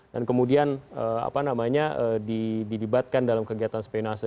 dan kemudian didibatkan dalam kegiatan spionase